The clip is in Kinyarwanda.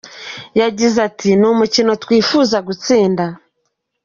Yagize ati “Ni umukino twifuza gutsinda.